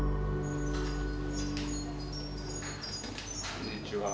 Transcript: こんにちは。